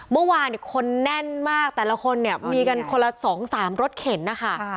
เมื่อวานคนแน่นมากแต่ละคนเนี่ยมีกันคนละ๒๓รถเข็นนะคะ